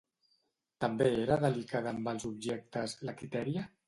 També era delicada amb els objectes, la Quitèria?